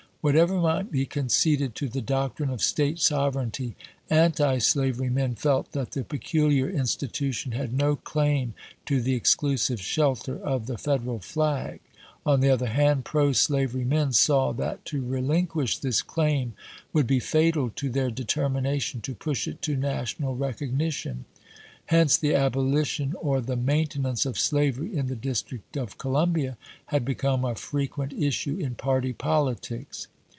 What ever might be conceded to the doctrine of State sovereignty, antislavery men felt that the peculiar institution had no claim to the exclusive shelter of the Federal flag ; on the other hand, pro slavery men saw that to relinquish this claim would be fatal to their determination to push it to national recognition. Hence the abolition or the mainte nance of slavery in the District of Columbia had become a frequent issue in party politics.